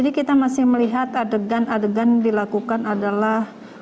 di sini kita masih melihat adegan adegan dilakukan adalah